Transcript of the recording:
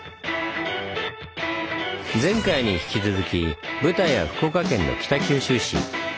前回に引き続き舞台は福岡県の北九州市。